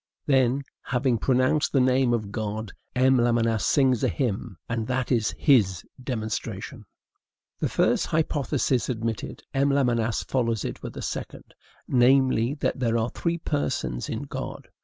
Then, having pronounced the name of God, M. Lamennais sings a hymn; and that is his demonstration! This first hypothesis admitted, M. Lamennais follows it with a second; namely, that there are three persons in God.